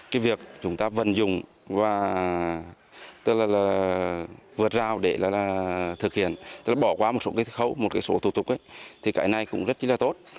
cái việc chúng ta vận dụng và vượt rao để thực hiện tức là bỏ qua một số khẩu một số thủ tục thì cái này cũng rất là tốt